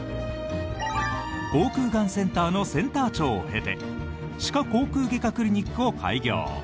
口腔がんセンターのセンター長を経て歯科口腔外科クリニックを開業。